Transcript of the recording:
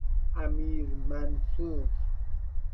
امیرمنصور